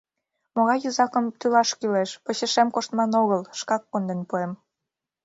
Могай йозакым тӱлаш кӱлеш — почешем коштман огыл, шкак конден пуэм.